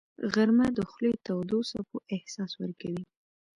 غرمه د خولې تودو څپو احساس ورکوي